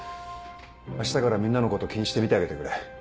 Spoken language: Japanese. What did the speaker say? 明日からみんなのこと気にして見てあげてくれ。